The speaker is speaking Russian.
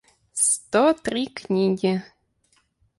сто три книги